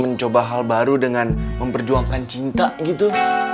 mencoba hal baru dengan memperjuangkan cinta gitu